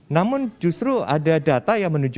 namun justru ada data yang menuju